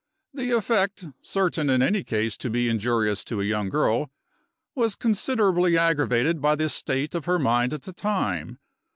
The effect (certain, in any case, to be injurious to a young girl) was considerably aggravated by the state of her mind at the time.